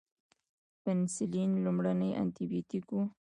پنسلین لومړنی انټي بیوټیک و